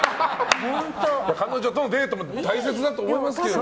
彼女とのデートも大切だと思いますけどね。